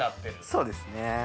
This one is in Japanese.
そうですね。